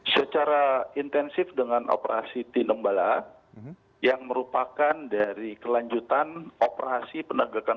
secara intensif dengan operasi tino mbala yang merupakan dari kelanjutan operasi penegakan hukum